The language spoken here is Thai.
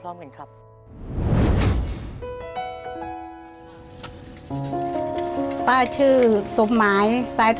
เกมต่อชีวิตสูงสุด๑ล้านบาท